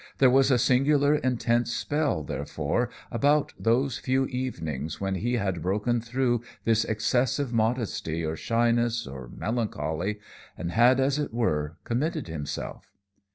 There was a singular, intense spell, therefore, about those few evenings when he had broken through this excessive modesty, or shyness, or melancholy, and had, as it were, committed himself.